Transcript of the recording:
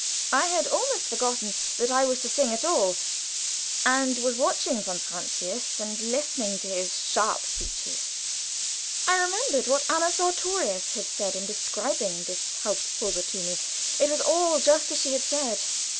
I had almost forgotten that I was to sing at all, and was watching von Francius and listening to his sharp speeches. I remembered what Anna Sartorius had said in describing this haupt probe to me. It was all just as she had said.